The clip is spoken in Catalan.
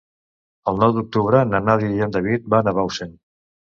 El nou d'octubre na Nàdia i en David van a Bausen.